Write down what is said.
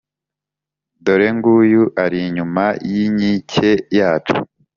Dore nguyu ari inyuma y’inkike yacu,